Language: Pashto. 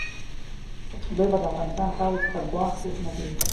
دوی به د افغانستان خاورې څخه ګواښ پېښ نه کړي.